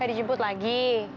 gak dijemput lagi